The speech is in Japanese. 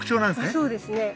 そうですね。